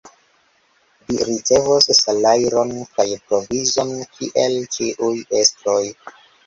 Vi ricevos salajron kaj provizon, kiel ĉiuj estroj!